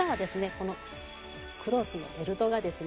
このクロスのベルトがですね